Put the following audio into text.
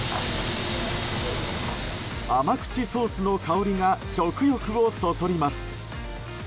甘口ソースの香りが食欲をそそります。